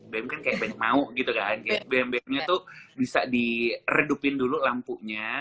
bm kan kayak band mau gitu kan kayak bm bm nya tuh bisa diredupin dulu lampunya